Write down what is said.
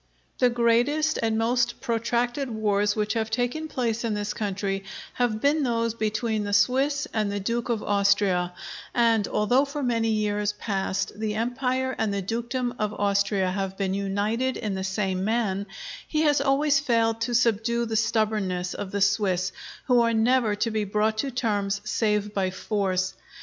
The greatest and most protracted wars which have taken place in this country have been those between the Swiss and the Duke of Austria; and although for many years past the Empire and the dukedom of Austria have been united in the same man, he has always failed to subdue the stubbornness of the Swiss, who are never to be brought to terms save by force.